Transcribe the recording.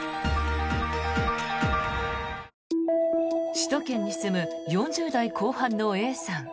首都圏に住む４０代後半のＡさん。